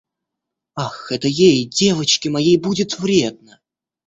Ах, это ей, девочке моей, будет вредно!